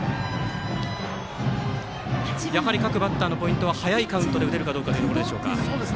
やはり各バッターのポイントは早いカウントで打てるかどうかでしょうか。